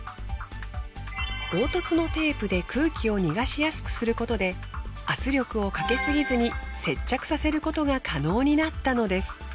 凹凸のテープで空気を逃がしやすくすることで圧力をかけすぎずに接着させることが可能になったのです。